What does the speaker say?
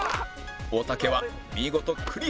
おたけは見事クリア